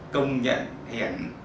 công nhận hiện